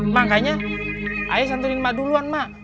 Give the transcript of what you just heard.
mak kayaknya ae santuni mak duluan mak